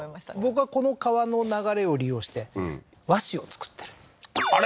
僕はこの川の流れを利用してうん和紙を作ってるあれ？